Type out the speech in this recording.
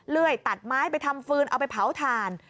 เลื่อยตัดไม้ไปทำฟืนเอาไปเผาถ่าน